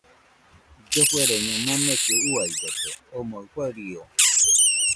Llofueraɨño mamekɨ uiadote, omɨ farió